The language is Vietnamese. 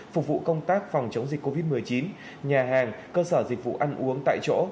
phục vụ công tác phòng chống dịch covid một mươi chín nhà hàng cơ sở dịch vụ ăn uống tại chỗ